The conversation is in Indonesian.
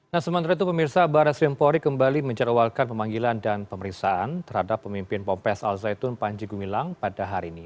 nah sementara itu pemirsa barat srimpori kembali mencarawalkan pemanggilan dan pemeriksaan terhadap pemimpin pompes al zaitun panji gumilang pada hari ini